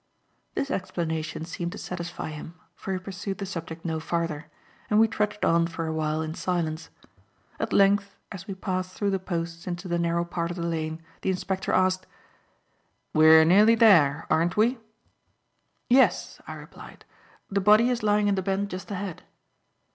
This explanation seemed to satisfy him for he pursued the subject no farther, and we trudged on for awhile in silence. At length, as we passed through the posts into the narrow part of the lane, the inspector asked: "We're nearly there, aren't we?" "Yes," I replied: "the body is lying in the bend just ahead."